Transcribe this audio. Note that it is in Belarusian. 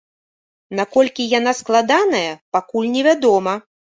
Наколькі яна складаная, пакуль невядома.